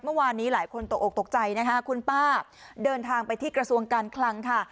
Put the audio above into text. เมื่อวานนี้หลายคนตกออกตกใจนะคะคุณป้าเดินทางไปที่กระทรวงการคลังค่ะ